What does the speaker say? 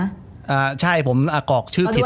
อ่าใช่ผมอากรอกชื่อผิด